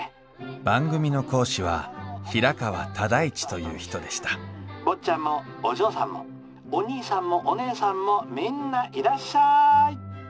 番組の講師は平川唯一という人でした「坊ちゃんもお嬢さんもお兄さんもお姉さんもみんないらっしゃい」。